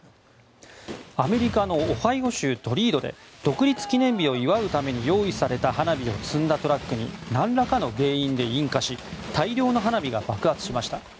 アメリカのオハイオ州トリードで独立記念日を祝うために用意された花火を積んだトラックになんらかの原因で引火し大量の花火が爆発しました。